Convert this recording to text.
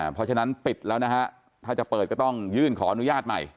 เพราะฉะนั้นปิดแล้วนะฮะถ้าจะเปิดก็ต้องยื่นขออนุญาตใหม่